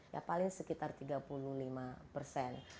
ya paling sekitar tiga puluh lima persen